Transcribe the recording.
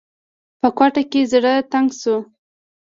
په کوټه کې زړه تنګ شو.